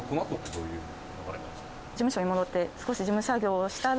事務所に戻って。